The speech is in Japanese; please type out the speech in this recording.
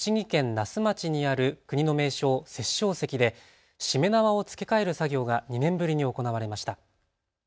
那須町にある国の名勝、殺生石でしめ縄を付け替える作業が２年ぶりに行われました。